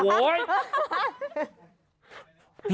โอ๊ย